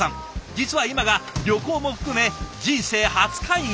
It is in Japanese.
実は今が旅行も含め人生初海外。